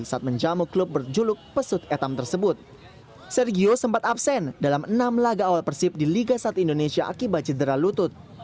saat menjamu klub berjuluk pesut etam tersebut sergio sempat absen dalam enam laga awal persib di liga satu indonesia akibat cedera lutut